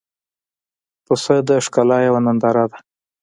پسه د ښکلا یوه ننداره ده.